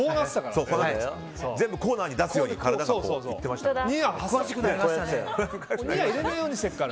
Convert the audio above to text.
全部コーナーに出すように体がいってましたから。